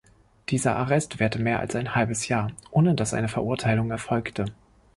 Dieser Arrest währte mehr als ein halbes Jahr, ohne dass eine Verurteilung erfolgte.